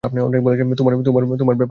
তোমার ব্যাপার কি?